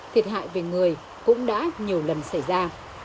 thiệt hại về người cũng đã nhiều lần xảy ra